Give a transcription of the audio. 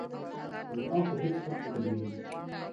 ـ نو تا خو هېڅ هم نه دي ویلي.